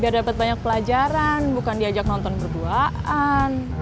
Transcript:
biar dapat banyak pelajaran bukan diajak nonton berduaan